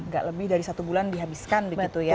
gak lebih dari satu bulan dihabiskan begitu ya